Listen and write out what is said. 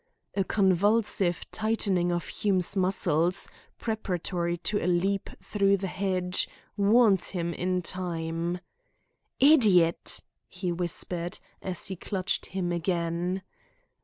A convulsive tightening of Hume's muscles, preparatory to a leap through the hedge, warned him in time. "Idiot!" he whispered, as he clutched him again.